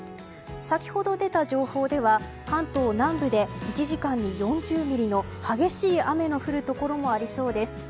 先ほど出た情報では関東南部で１時間に４０ミリの激しい雨の降るところもありそうです。